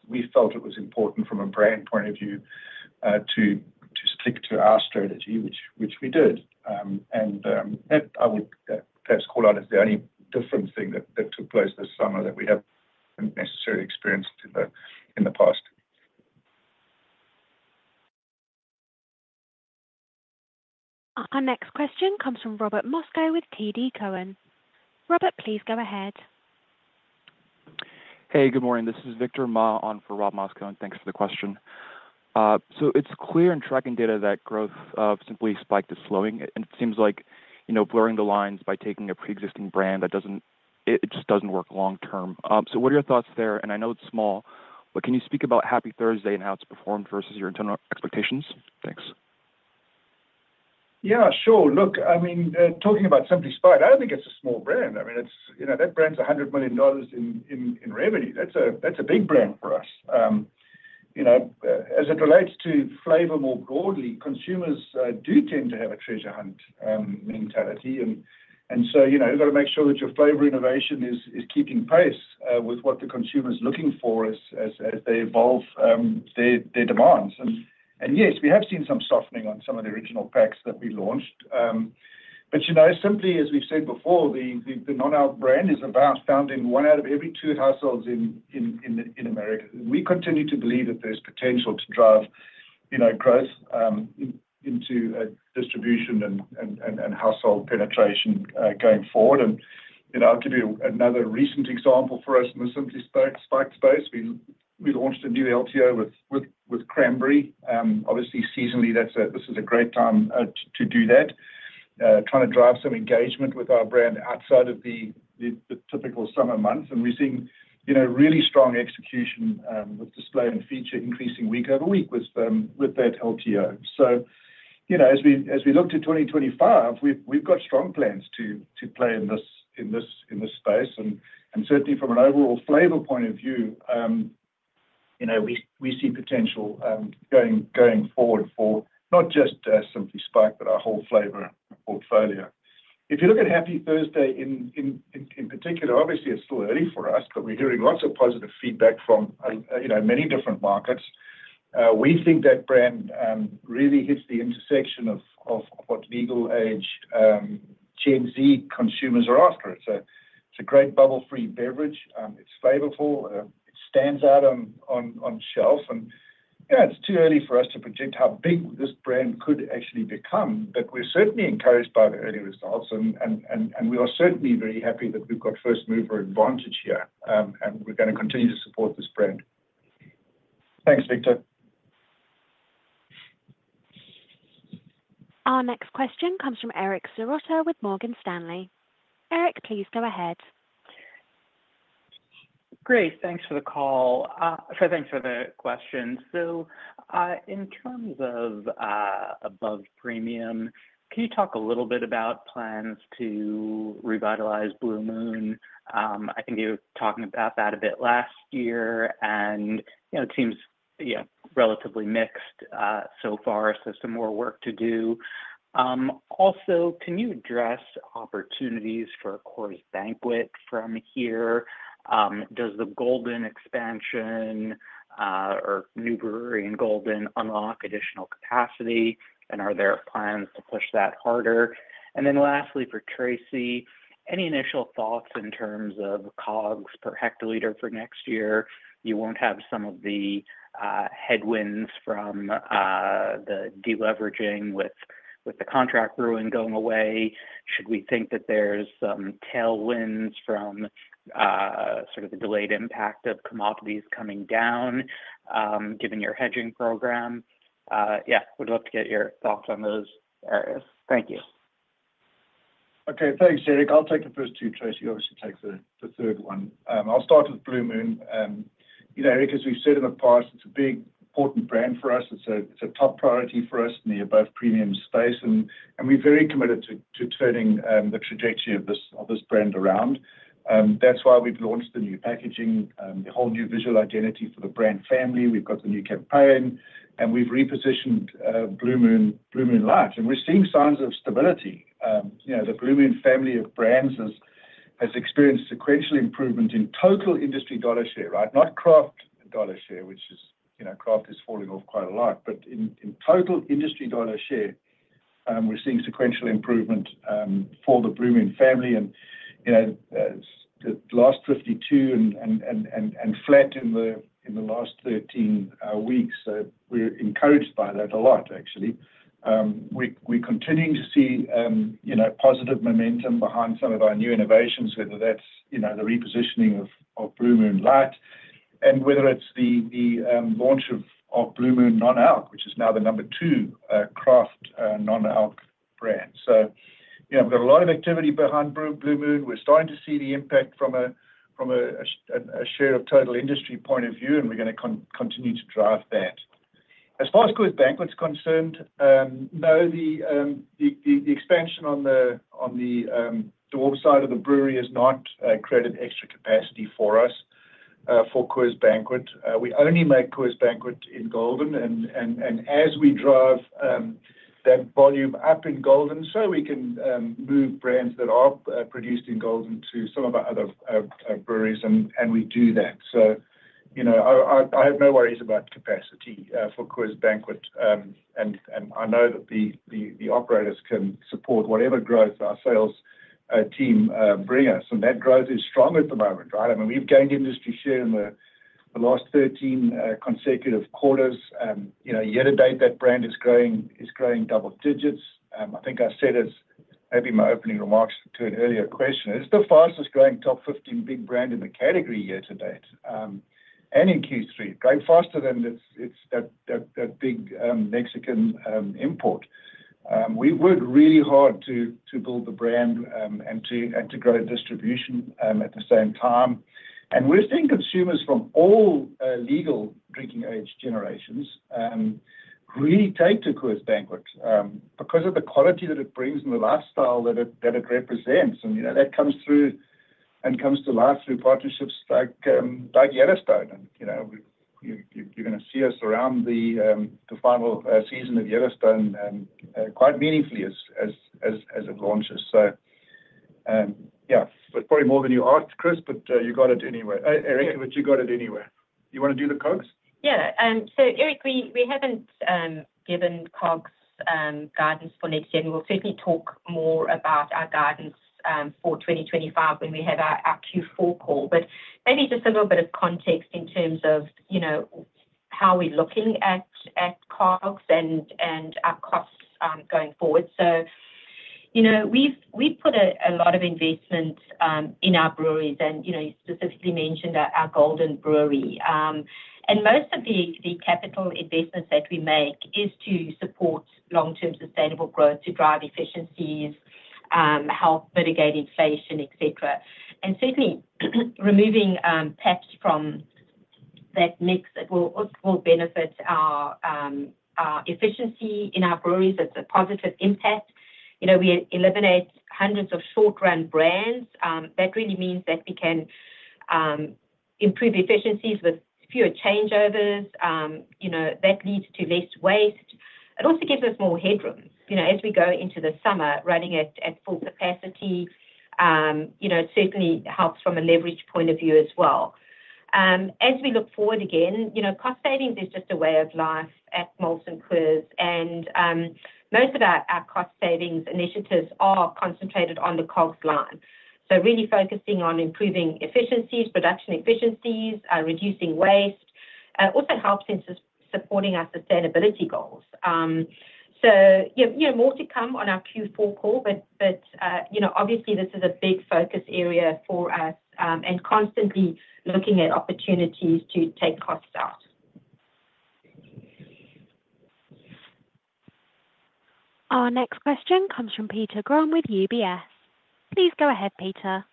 we felt it was important from a brand point of view to stick to our strategy, which we did. And that I would perhaps call out as the only different thing that took place this summer that we haven't necessarily experienced in the past. Our next question comes from Robert Moskow with TD Cowen. Robert, please go ahead. Hey, good morning. This is Victor Ma on for Rob Moskow and thanks for the question. So it's clear in tracking data that growth Simply Spiked to slowing. And it seems like blurring the lines by taking a pre-existing brand, it just doesn't work long-term. So what are your thoughts there? And I know it's small, but can you speak about Happy Thursday and how it's performed versus your internal expectations? Thanks. Yeah, sure. Look, I mean, talking about Simply Spiked, I don't think it's a small brand. I mean, that brand's $100 million in revenue. That's a big brand for us. As it relates to flavor more broadly, consumers do tend to have a treasure hunt mentality. And so you've got to make sure that your flavor innovation is keeping pace with what the consumer is looking for as they evolve their demands. And yes, we have seen some softening on some of the original packs that we launched. But simply, as we've said before, the number one brand is found in one out of every two households in America. We continue to believe that there's potential to drive growth into distribution and household penetration going forward. And I'll give you another recent example for us in the Simply Spiked space. We launched a new LTO with Cranberry. Obviously, seasonally, this is a great time to do that, trying to drive some engagement with our brand outside of the typical summer months. And we're seeing really strong execution with display and feature increasing week-over-week with that LTO. So as we look to 2025, we've got strong plans to play in this space. And certainly, from an overall flavor point of view, we see potential going forward for not just Simply Spiked, but our whole flavor portfolio. If you look at Happy Thursday in particular, obviously, it's still early for us, but we're hearing lots of positive feedback from many different markets. We think that brand really hits the intersection of what legal age Gen Z consumers are after. It's a great bubble-free beverage. It's flavorful. It stands out on shelf. And yeah, it's too early for us to predict how big this brand could actually become, but we're certainly encouraged by the early results. And we are certainly very happy that we've got first mover advantage here, and we're going to continue to support this brand. Thanks, Victor. Our next question comes from Eric Serotta with Morgan Stanley. Eric, please go ahead. Great. Thanks for the call. Thanks for the question. So in terms of above premium, can you talk a little bit about plans to revitalize Blue Moon? I think you were talking about that a bit last year, and it seems relatively mixed so far, so some more work to do. Also, can you address opportunities for Coors Banquet from here? Does the Golden expansion or new brewery and Golden unlock additional capacity? And are there plans to push that harder? And then lastly, for Traci, any initial thoughts in terms of COGS per hectoliter for next year? You won't have some of the headwinds from the deleveraging with the contract brewing going away. Should we think that there's some tailwinds from sort of the delayed impact of commodities coming down given your hedging program? Yeah, we'd love to get your thoughts on those areas. Thank you. Okay. Thanks, Eric. I'll take the first two. Traci obviously takes the third one. I'll start with Blue Moon. Eric, as we've said in the past, it's a big, important brand for us. It's a top priority for us in the above premium space, and we're very committed to turning the trajectory of this brand around. That's why we've launched the new packaging, the whole new visual identity for the brand family. We've got the new campaign, and we've repositioned Blue Moon Light. And we're seeing signs of stability. The Blue Moon family of brands has experienced sequential improvement in total industry dollar share, right? Not craft dollar share, which is craft is falling off quite a lot, but in total industry dollar share, we're seeing sequential improvement for the Blue Moon family. And the last 52 and flat in the last 13 weeks. So we're encouraged by that a lot, actually. We're continuing to see positive momentum behind some of our new innovations, whether that's the repositioning of Blue Moon Light and whether it's the launch of Blue Moon non-alc, which is now the number two craft non-alc brand. So we've got a lot of activity behind Blue Moon. We're starting to see the impact from a share of total industry point of view, and we're going to continue to drive that. As far as Coors Banquet's concerned, no, the expansion on the dorm side of the brewery has not created extra capacity for us for Coors Banquet. We only make Coors Banquet in Golden, and as we drive that volume up in Golden so we can move brands that are produced in Golden to some of our other breweries, and we do that. I have no worries about capacity for Coors Banquet, and I know that the operators can support whatever growth our sales team bring us. And that growth is strong at the moment, right? I mean, we've gained industry share in the last 13 consecutive quarters. Year-to-date, that brand is growing double digits. I think I said as maybe my opening remarks to an earlier question, it's the fastest growing top 15 big brand in the category year to date and in Q3, grew faster than that big Mexican import. We worked really hard to build the brand and to grow distribution at the same time. And we're seeing consumers from all legal drinking age generations really take to Coors Banquet because of the quality that it brings and the lifestyle that it represents. And that comes through and comes to life through partnerships like Yellowstone. And you're going to see us around the final season of Yellowstone quite meaningfully as it launches. So yeah, probably more than you asked, Chris, but you got it anyway. Eric, but you got it anyway. You want to do the COGS? Yeah. So Eric, we haven't given COGS guidance for next year. We'll certainly talk more about our guidance for 2025 when we have our Q4 call. But maybe just a little bit of context in terms of how we're looking at COGS and our costs going forward. So we've put a lot of investment in our breweries, and you specifically mentioned our Golden Brewery. And most of the capital investments that we make is to support long-term sustainable growth to drive efficiencies, help mitigate inflation, etc. And certainly, removing Pabst from that mix will benefit our efficiency in our breweries. It's a positive impact. We eliminate hundreds of short-run brands. That really means that we can improve efficiencies with fewer changeovers. That leads to less waste. It also gives us more headroom as we go into the summer running at full capacity. It certainly helps from a leverage point of view as well. As we look forward again, cost savings is just a way of life at Molson Coors, and most of our cost savings initiatives are concentrated on the COGS line, so really focusing on improving efficiencies, production efficiencies, reducing waste, also helps in supporting our sustainability goals, so more to come on our Q4 call, but obviously, this is a big focus area for us and constantly looking at opportunities to take costs out. Our next question comes from Peter Grom with UBS. Please go ahead, Peter.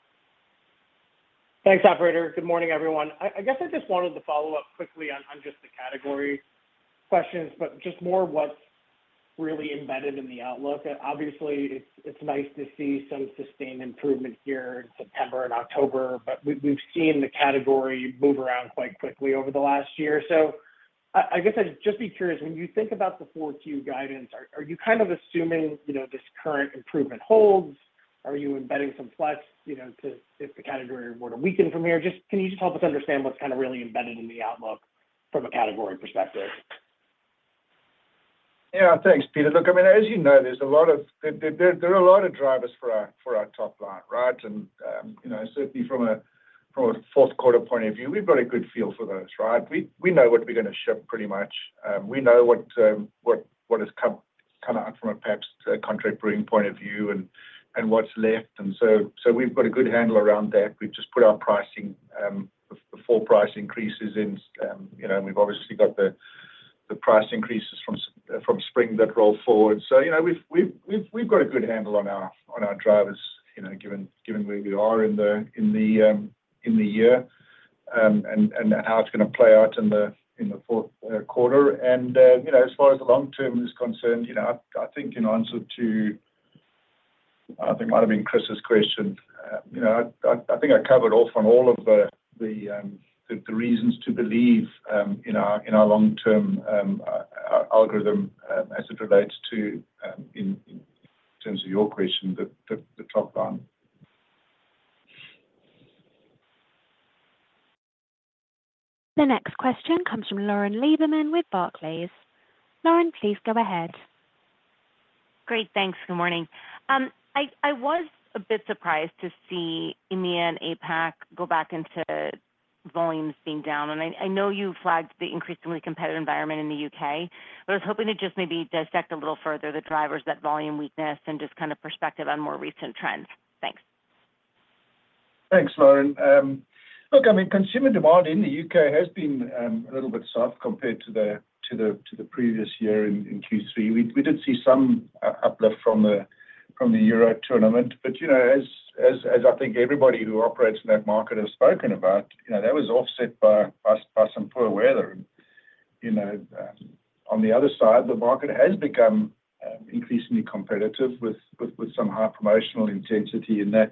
Thanks, operator. Good morning, everyone. I guess I just wanted to follow up quickly on just the category questions, but just more what's really embedded in the outlook. Obviously, it's nice to see some sustained improvement here in September and October, but we've seen the category move around quite quickly over the last year. So I guess I'd just be curious. When you think about the 4Q guidance, are you kind of assuming this current improvement holds? Are you embedding some flex if the category were to weaken from here? Can you just help us understand what's kind of really embedded in the outlook from a category perspective? Yeah, thanks, Peter. Look, I mean, as you know, there's a lot of drivers for our top line, right? And certainly, from a fourth quarter point of view, we've got a good feel for those, right? We know what we're going to ship pretty much. We know what has come out from a Pabst's contract brewing point of view and what's left. And so we've got a good handle around that. We've just put our pricing for price increases in. We've obviously got the price increases from spring that roll forward. So we've got a good handle on our drivers given where we are in the year and how it's going to play out in the fourth quarter. And as far as the long term is concerned, I think in answer to I think it might have been Chris's question, I think I covered off on all of the reasons to believe in our long-term algorithm as it relates to, in terms of your question, the top line. The next question comes from Lauren Lieberman with Barclays. Lauren, please go ahead. Great. Thanks. Good morning. I was a bit surprised to see EMEA and APAC go back into volumes being down. I know you flagged the increasingly competitive environment in the U.K., but I was hoping to just maybe dissect a little further the drivers, that volume weakness, and just kind of perspective on more recent trends. Thanks. Thanks, Lauren. Look, I mean, consumer demand in the U.K. has been a little bit soft compared to the previous year in Q3. We did see some uplift from the Euro tournament. But as I think everybody who operates in that market has spoken about, that was offset by some poor weather. On the other side, the market has become increasingly competitive with some high promotional intensity in that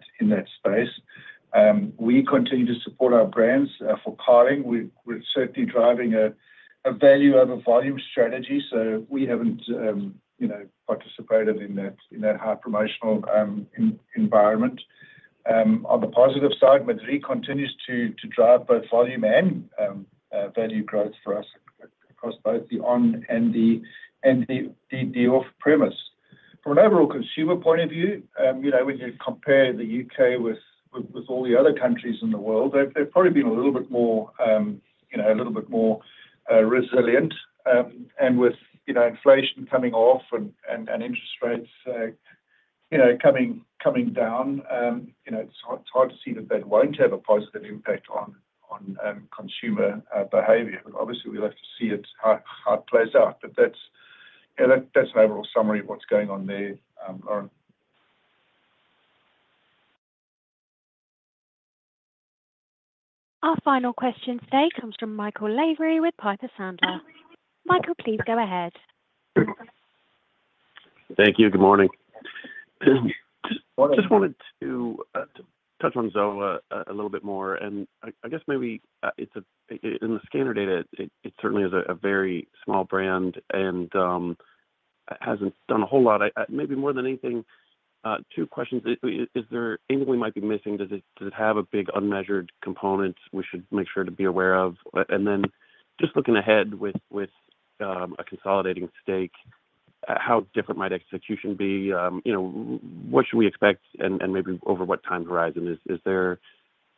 space. We continue to support our brands at parity. We're certainly driving a value-over-volume strategy, so we haven't participated in that high promotional environment. On the positive side, Madrí continues to drive both volume and value growth for us across both the on- and off-premise. From an overall consumer point of view, when you compare the U.K. with all the other countries in the world, they've probably been a little bit more resilient, and with inflation coming off and interest rates coming down, it's hard to see that that won't have a positive impact on consumer behavior. But obviously, we'll have to see how it plays out, but that's an overall summary of what's going on there, Lauren. Our final question today comes from Michael Lavery with Piper Sandler. Michael, please go ahead. Thank you. Good morning. Just wanted to touch on ZOA a little bit more. And I guess maybe in the scanner data, it certainly is a very small brand and hasn't done a whole lot. Maybe more than anything, two questions. Is there anything we might be missing? Does it have a big unmeasured component we should make sure to be aware of? And then just looking ahead with a consolidating stake, how different might execution be? What should we expect and maybe over what time horizon? Is there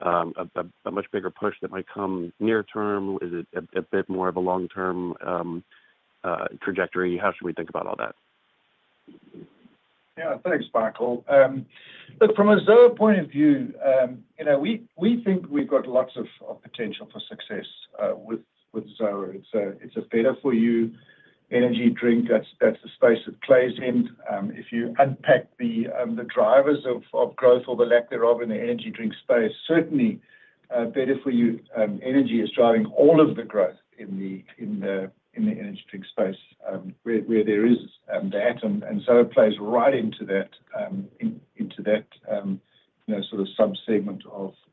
a much bigger push that might come near term? Is it a bit more of a long-term trajectory? How should we think about all that? Yeah. Thanks, Michael. Look, from a ZOA point of view, we think we've got lots of potential for success with ZOA. It's a better-for-you energy drink. That's the space it plays in. If you unpack the drivers of growth or the lack thereof in the energy drink space, certainly better-for-you energy is driving all of the growth in the energy drink space where there is that. ZOA plays right into that sort of subsegment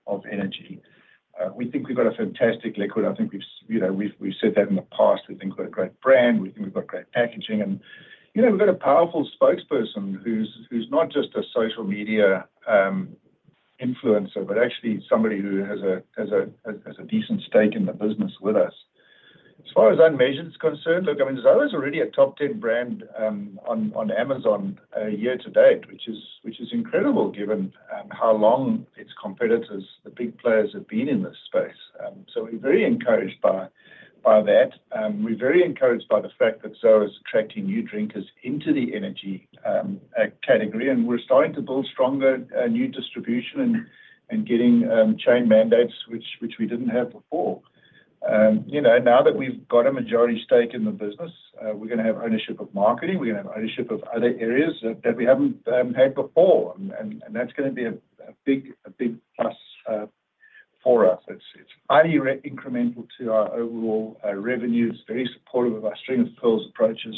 of energy. We think we've got a fantastic liquid. I think we've said that in the past. We think we've got a great brand. We think we've got great packaging. And we've got a powerful spokesperson who's not just a social media influencer, but actually somebody who has a decent stake in the business with us. As far as unmeasured is concerned, look, I mean, ZOA is already a top 10 brand on Amazon year-to-date, which is incredible given how long its competitors, the big players, have been in this space. So we're very encouraged by that. We're very encouraged by the fact that ZOA is attracting new drinkers into the energy category. And we're starting to build stronger new distribution and getting chain mandates which we didn't have before. Now that we've got a majority stake in the business, we're going to have ownership of marketing. We're going to have ownership of other areas that we haven't had before. And that's going to be a big plus for us. It's highly incremental to our overall revenue. It's very supportive of our string of pearls approaches,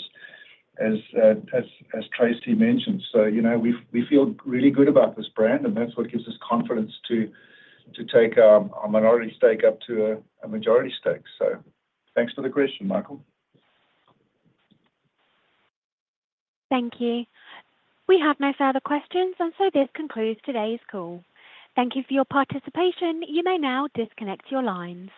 as Traci mentioned. So we feel really good about this brand, and that's what gives us confidence to take our minority stake up to a majority stake. So thanks for the question, Michael. Thank you. We have no further questions. And so this concludes today's call. Thank you for your participation. You may now disconnect your lines.